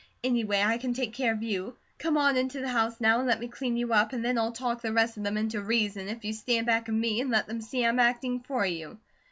Anyway, I can take care of you. Come on into the house now, and let me clean you up, and then I'll talk the rest of them into reason, if you stand back of me, and let them see I'm acting for you."